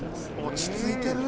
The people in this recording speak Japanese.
落ち着いてる。